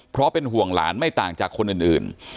เพราะเป็นห่วงหลานไม่ต่างจากคนอื่น